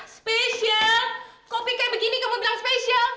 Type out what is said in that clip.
spesial kopi kayak begini kamu bilang spesial